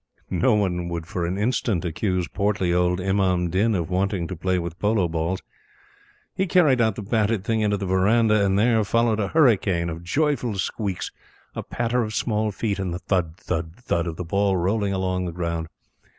No one would for an instant accuse portly old Imam Din of wanting to play with polo balls. He carried out the battered thing into the verandah; and there followed a hurricane of joyful squeaks, a patter of small feet, and the thud thud thud of the ball rolling along the ground.